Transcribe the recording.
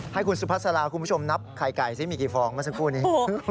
ให้คุณสุภาษาลาคุณผู้ชมนับไข่ไก่ซิมีกี่ฟองเมื่อสักครู่นี้